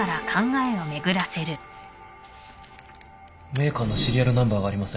メーカーのシリアルナンバーがありません